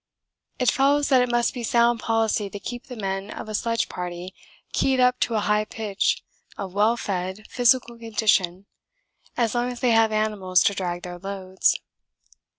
It follows that it must be sound policy to keep the men of a sledge party keyed up to a high pitch of well fed physical condition as long as they have animals to drag their loads.